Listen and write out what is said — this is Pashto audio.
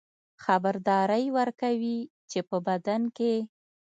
خبرداری ورکوي چې په بدن کې